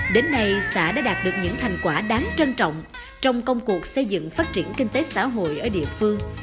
đến nay xã đã đạt được những thành quả đáng trân trọng trong công cuộc xây dựng phát triển kinh tế xã hội ở địa phương